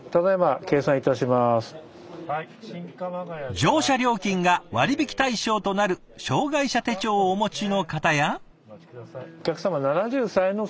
乗車料金が割引対象となる障害者手帳をお持ちの方や。